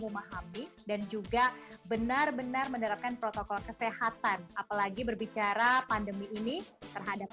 memahami dan juga benar benar menerapkan protokol kesehatan apalagi berbicara pandemi ini terhadap